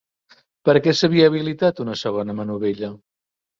Per a què s'havia habilitat una segona manovella?